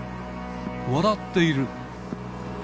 笑っている。